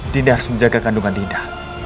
dinda harus menjaga kandungan dinda